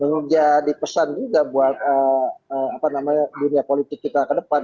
menjadi pesan juga buat dunia politik kita ke depan